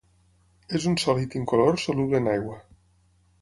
És un sòlid incolor soluble en aigua.